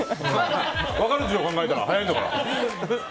分かるでしょ、考えたら早いんだから！